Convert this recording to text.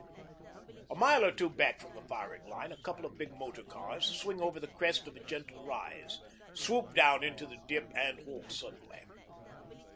A mile or two back from the firing line a couple of big motor cars swing over the crest of a gentle rise, swoop down into the dip, and halt suddenly.